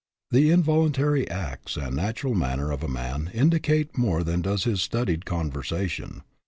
The involuntary acts and natural manner of a man indicate more than does his studied conversation.